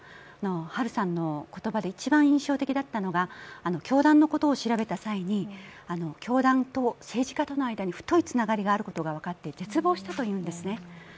ハルさんの言葉で一番印象的だったのが、教団のことを調べたときに教団と政治家との間に太いつながりがあったことが分かって絶望したというんですね。